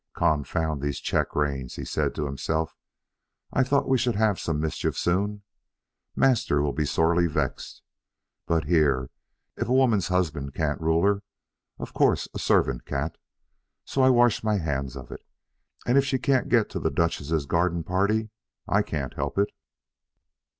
"Confound these check reins!" he said to himself; "I thought we should have some mischief soon. Master will be sorely vexed. But here, if a woman's husband can't rule her, of course a servant can't; so I wash my hands of it, and if she can't get to the Duchess' garden party I can't help it."